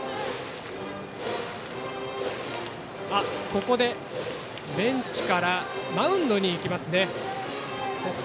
ここでベンチからマウンドに行きますね。